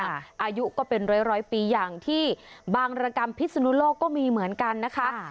อายุก็เป็นร้อยปีอย่างที่บางรกรรมพิศนุโลกก็มีเหมือนกันนะคะ